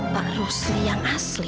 pak rusli yang asli